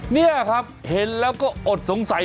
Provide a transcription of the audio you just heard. นี่ครับเห็นแล้วก็อดสงสัย